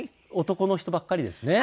男の人ばっかりですね。